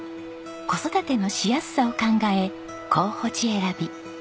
子育てのしやすさを考え候補地選び。